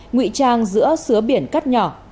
ngụy trang giữa sứa biển cắt nhỏ